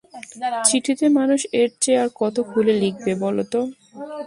চিঠিতে মানুষ এর চেয়ে আর কত খুলে লিখবে বলো তো।